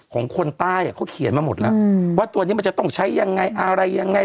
ของคนใต้เขาเขียนมาหมดแล้วว่าตัวนี้มันจะต้องใช้ยังไงอะไรยังไง